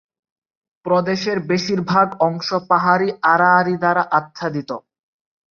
প্রদেশের বেশিরভাগ অংশ পাহাড়ী আড়াআড়ি দ্বারা আচ্ছাদিত।